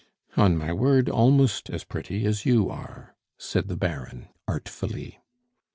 "On my word, almost as pretty as you are," said the Baron artfully.